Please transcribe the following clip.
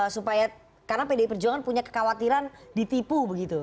supaya karena pdi perjuangan punya kekhawatiran ditipu begitu